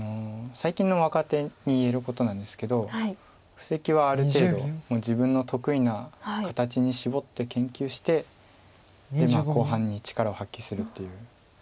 最近の若手に言えることなんですけど布石はある程度もう自分の得意な形に絞って研究して後半に力を発揮するという。